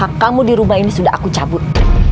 kenapa kamu di rumah ini sudah aku cabut